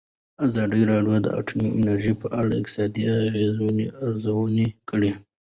ازادي راډیو د اټومي انرژي په اړه د اقتصادي اغېزو ارزونه کړې.